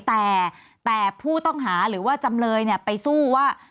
แต่แต่ผู้ต้องหาหรือว่าจำเลยไปสู้ว่า